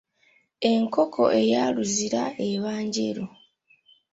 Enkoko eya luzira eba Njeru.